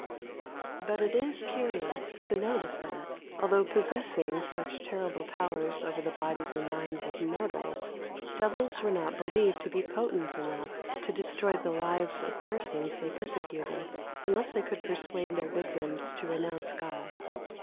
But it is curious to notice that, although possessing such terrible powers over the bodies and minds of mortals, devils were not believed to be potent enough to destroy the lives of the persons they persecuted unless they could persuade their victims to renounce God.